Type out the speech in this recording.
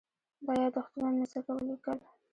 دا یادښتونه مې ځکه ولیکل.